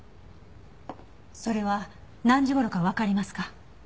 それは何時頃かわかりますか？